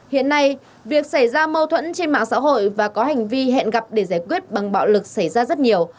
hiện nay việc xảy ra mâu thuẫn trên mạng xã hội và có hành vi hẹn gặp để giải quyết bằng bạo lực xảy ra rất nhiều